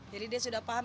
jadi dia sudah paham